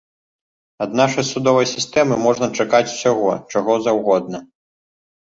Ад нашай судовай сістэмы можна чакаць усяго, чаго заўгодна.